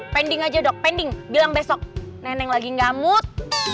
pending aja dok pending bilang besok neneng lagi ngamuk